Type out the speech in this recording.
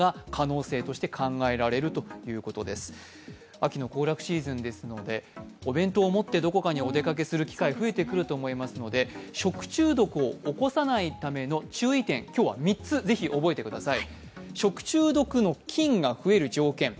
秋の行楽シーズンですのでお弁当を持ってどこかへお出かけする機会が増えてくると思いますので食中毒を起こさないための注意点、今日は３つ覚えてください。